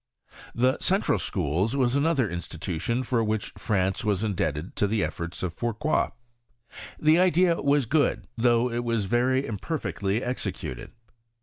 The Central Schools was another institu tion for which France was indebted to the efforts of Fourcroy. The idea was good, though it was very fanperfectly executed.